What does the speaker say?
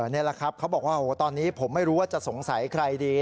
นี่แหละครับเขาบอกว่าตอนนี้ผมไม่รู้ว่าจะสงสัยใครดี